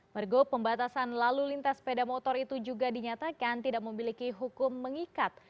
pergub pembatasan lalu lintas sepeda motor itu juga dinyatakan tidak memiliki hukum mengikat